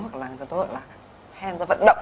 hoặc là gọi là hèn ra vận động